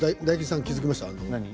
大吉さん気付きましたか。